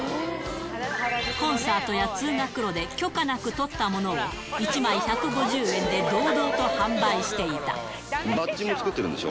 コンサートや通学路で許可なく撮ったものを、１枚１５０円で堂々バッジも作ってるんでしょ？